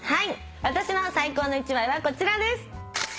私の最高の１枚はこちらです。